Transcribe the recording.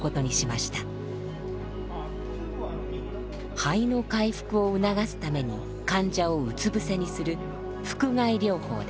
肺の回復を促すために患者をうつ伏せにする